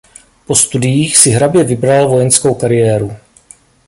Po studiích si hrabě vybral vojenskou kariéru.